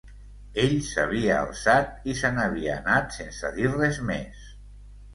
Ell s’havia alçat i se n’havia anat sense dir res més.